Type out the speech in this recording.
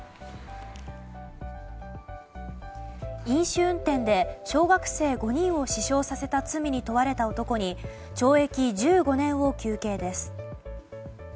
飲酒運転で小学生５人を死傷させた罪に問われた男に懲役１５年を求刑です。